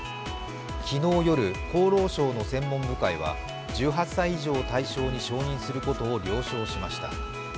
昨日夜、厚労省の専門部会は１８歳以上を対象に承認することを了承しました。